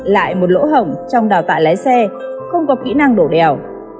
lại một lỗ hỏng trong đào tạo lái xe không có kỹ năng đổ đèo